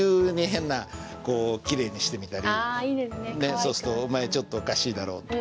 そうすると「お前ちょっとおかしいだろう」って